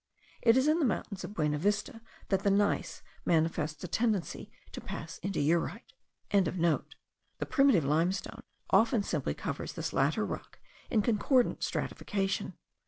It is in the mountains of Buenavista that the gneiss manifests a tendency to pass into eurite.) The primitive limestone often simply covers this latter rock in concordant stratification.